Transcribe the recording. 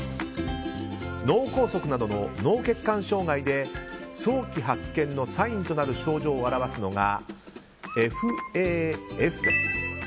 脳梗塞などの脳血管障害で早期発見のサインを表すのが症状を表すのが、ＦＡＳです。